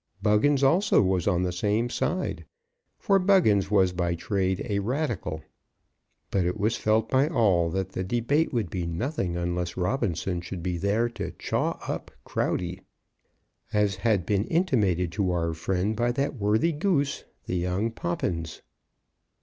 Buggins also was on the same side, for Buggins was by trade a radical. But it was felt by all that the debate would be nothing unless Robinson should be there to "chaw up" Crowdy, as had been intimated to our friend by that worthy Goose the young Poppins.